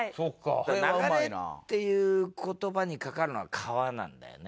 「流れ」っていう言葉に掛かるのは川なんだよね。